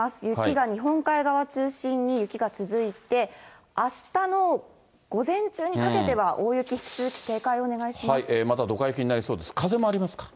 雪が日本海側を中心に雪が続いて、あしたの午前中にかけては大雪、引き続き警戒をお願いします。